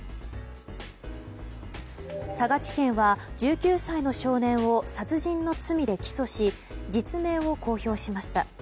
佐賀地検は１９歳の少年を殺人の罪で起訴し実名を公表しました。